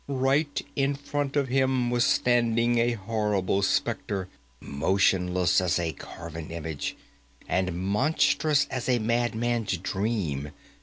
Right in front of him was standing a horrible spectre, motionless as a carven image, and monstrous as a madman's dream!